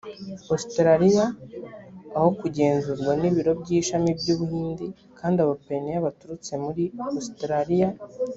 ositaraliya aho kugenzurwa n ibiro by ishami by u buhindi kandi abapayiniya baturutse muri ositaraliya